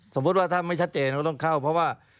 สมมุติว่าถ้าไม่ชัดเจนก็ต้องเข้า